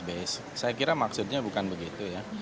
saya kira maksudnya bukan begitu ya